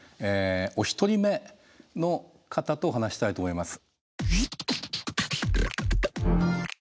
お一人目の方と話したいと思います。